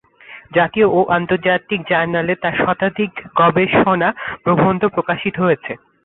জাতীয় ও আন্তর্জাতিক জার্নালে তার শতাধিক গবেষণা প্রবন্ধ প্রকাশিত হয়েছে।